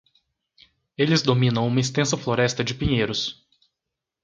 Eles dominam uma extensa floresta de pinheiros.